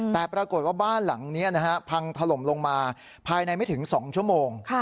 แต่ปรากฏว่าบ้านหลังนี้พังถล่มลงมาภายในไม่ถึง๒ชั่วโมง